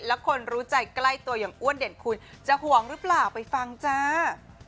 และคนรู้ใจใกล้ตัวอย่างอ้วนเด่นคุณจะห่วงหรือเปล่าไปฟังจ้า